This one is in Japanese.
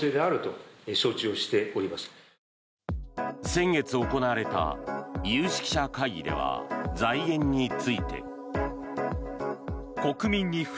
先月行われた有識者会議では財源について。